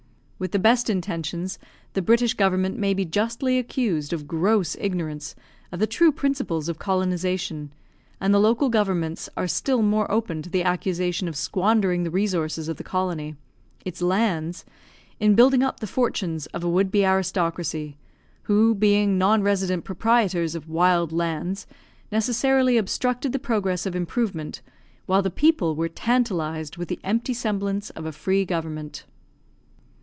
With the best intentions, the British government may be justly accused of gross ignorance of the true principles of colonisation, and the local governments are still more open to the accusation of squandering the resources of the colony its lands in building up the fortunes of a would be aristocracy, who being non resident proprietors of wild lands, necessarily obstructed the progress of improvement, while the people were tantalised with the empty semblance of a free government.